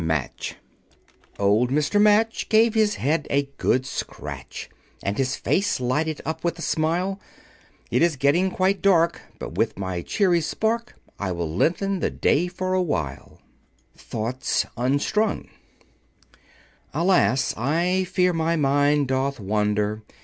MATCH Old Mr. Match gave his head a good scratch, And his face lighted up with a smile; "It is getting quite dark, but with my cheery spark I will lengthen the day for awhile." [Illustration: Old Mr. Match] THOUGHTS UNSTRUNG "Alas! I fear my mind doth wander.